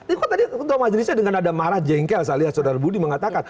ini kok tadi ketua majelisnya dengan ada marah jengkel saya lihat saudara budi mengatakan